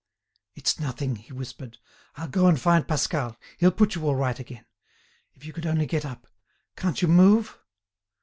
"It's nothing," he whispered; "I'll go and find Pascal, he'll put you all right again. If you could only get up. Can't you move?"